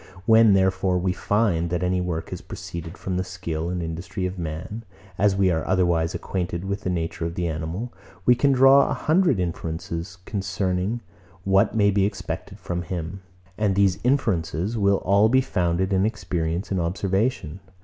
When, therefore, we find, that any work has proceeded from the skill and industry of man; as we are otherwise acquainted with the nature of the animal, we can draw a hundred inferences concerning what may be expected from him; and these inferences will all be founded in experience and observation.